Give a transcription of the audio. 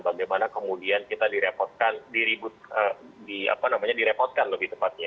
bagaimana kemudian kita direpotkan lebih tepatnya